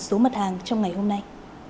đây là một số mật hàng trong ngày hôm nay